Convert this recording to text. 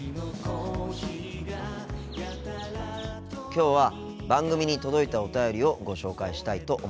きょうは番組に届いたお便りをご紹介したいと思います。